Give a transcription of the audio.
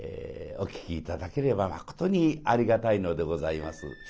お聴き頂ければまことにありがたいのでございます。